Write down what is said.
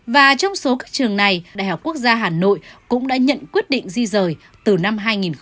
và trong số các trường này đại học quốc gia hà nội cũng đã nhận quyết định di rời từ năm hai nghìn một mươi một